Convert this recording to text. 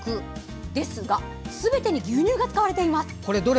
ですがすべてに牛乳が使われています。